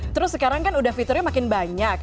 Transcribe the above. terus sekarang kan udah fiturnya makin banyak